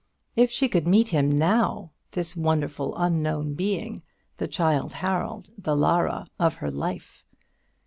If she could meet him now, this wonderful unknown being the Childe Harold, the Lara, of her life!